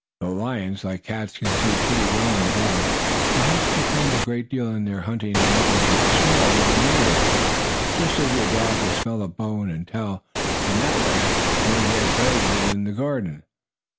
Though lions, like cats, can see pretty well in the dark, they have to depend a great deal in their hunting on what they can smell with their nose, just as your dog can smell a bone, and tell, in that way, where he has buried it in the garden.